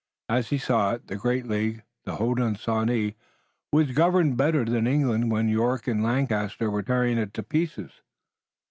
As he saw it, the great League, the Hodenosaunee, was governed better than England when York and Lancaster were tearing it to pieces.